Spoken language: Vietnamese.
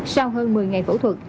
sau hơn một mươi ngày phẫu thuật